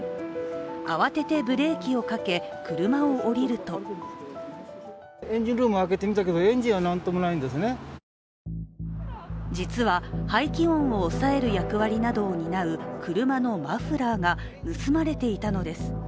慌ててブレーキをかけ、車を降りると実は、排気音を抑える役割などを担う車のマフラーが盗まれていたのです。